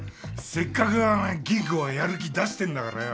せっかく吟子がやる気出してんだからよ